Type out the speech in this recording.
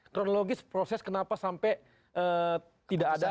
kronologis proses kenapa sampai tidak ada